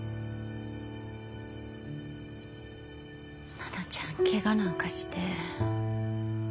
奈々ちゃんケガなんかして。